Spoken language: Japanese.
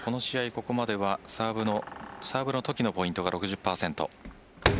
ここまではサーブのときのポイントが６０％。